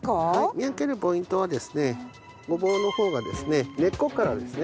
見分けるポイントはですねゴボウの方がですね根っこからですね